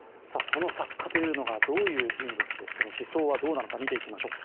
その作家というのがどういう人物でその思想はどうなのか見ていきましょう。